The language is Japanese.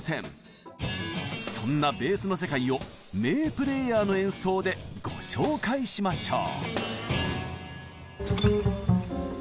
そんなベースの世界を名プレイヤーの演奏でご紹介しましょう。